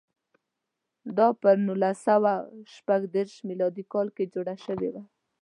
دا پر نولس سوه شپږ دېرش میلادي کال جوړه شوې وه.